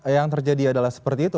yang terjadi adalah seperti itu